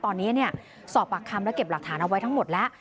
ตอนนี้สอบปากคำและเก็บหลักฐานเอาไว้ทั้งหมดแล้ว